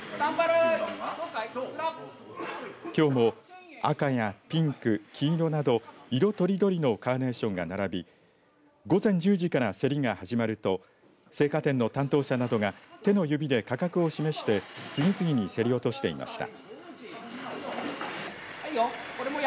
きょうも赤やピンク、黄色など色とりどりのカーネーションが並び午前１０時から競りが始まると生花店の担当者などが手の指で価格を示して次々に競り落としていました。